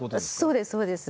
そうですそうです。